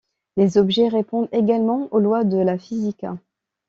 Les objets répondent également aux lois de la physique.